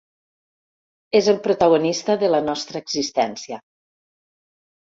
És el protagonista de la nostra existència.